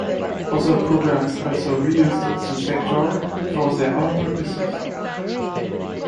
Other programs also reused this vector for their own purposes.